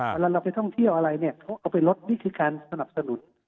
เวลาเราไปท่องเที่ยวอะไรเนี่ยเขาเอาไปลดวิธีการสนับสนุน